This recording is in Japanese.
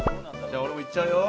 じゃあ俺もいっちゃうよ。